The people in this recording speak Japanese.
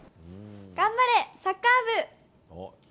頑張れ、サッカー部。